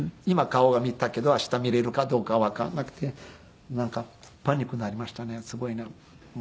今顔は見たけどあした見れるかどうかわからなくてパニックになりましたねすごいね。